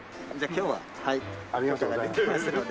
じゃあ今日ははい。